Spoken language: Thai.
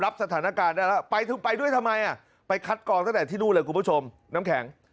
สถานการณ์ได้แล้วไปด้วยทำไมอ่ะไปคัดกองตั้งแต่ที่นู่นเลยคุณผู้ชมน้ำแข็ง